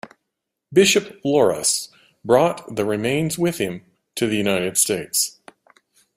Bishop Loras brought the remains with him to the United States.